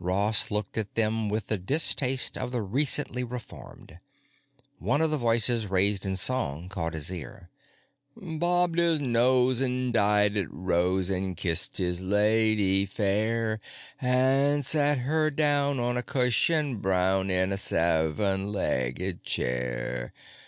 Ross looked at them with the distaste of the recently reformed. One of the voices raised in song caught his ear: "——bobbed his nose and dyed it rose, and kissed his lady fair, And sat her down on a cushion brown in a seven legged chair.